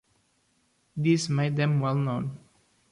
This made them well known.